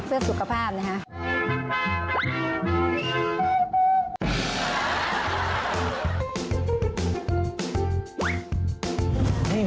เพื่อสุขภาพนะฮะ